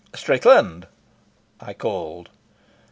"Strickland," I called.